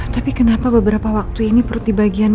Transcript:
tapi kenapa beberapa waktu ini perut dibagian mama